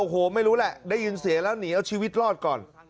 โอ้โหไม่รู้แหละได้ยินเสียงแล้วหนีเอาชีวิตรอดก่อน